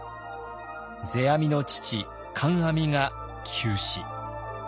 世阿弥の父・観阿弥が急死。